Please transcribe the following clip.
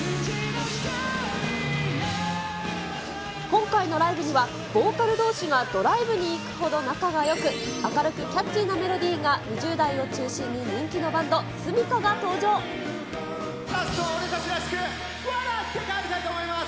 今回のライブには、ボーカルどうしがドライブに行くほど仲がよく、明るくキャッチーなメロディーが２０代を中心に人気のバンド、ラストは俺たちらしく、笑って帰りたいと思います。